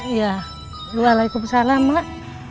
iya waalaikumsalam mak